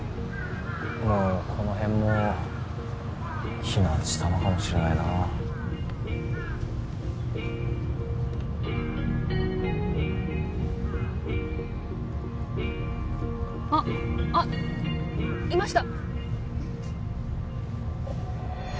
もうこの辺も避難したのかもしれないなあっあっいました！